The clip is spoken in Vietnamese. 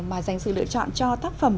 mà dành sự lựa chọn cho tác phẩm